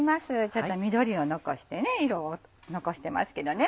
ちょっと緑を残して色を残してますけどね。